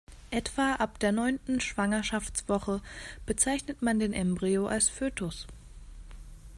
Etwa ab der neunten Schwangerschaftswoche bezeichnet man den Embryo als Fötus.